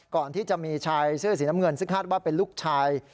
ก่อนที่จะมีชายเสื้อสีน้ำเงินซึ่งคาดว่าเป็นลูกชาย